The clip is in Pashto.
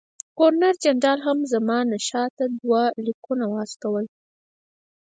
ګورنر جنرال هم زمانشاه ته دوه لیکونه واستول.